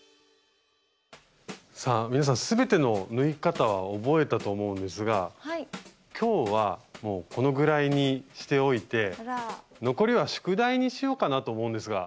さあ皆さん全ての縫い方は覚えたと思うんですが今日はもうこのぐらいにしておいて残りは宿題にしようかなと思うんですが。